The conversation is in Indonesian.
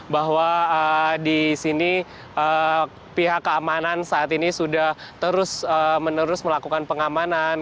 bahwa di sini pihak keamanan saat ini sudah terus menerus melakukan pengamanan